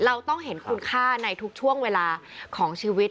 เราต้องเห็นคุณค่าในทุกช่วงเวลาของชีวิต